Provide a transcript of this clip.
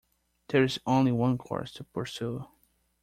There is only one course to pursue.